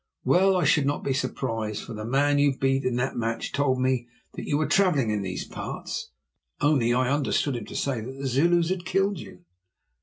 Well, I should not be surprised, for the man you beat in that match told me that you were travelling in these parts. Only I understood him to say that the Zulus had killed you."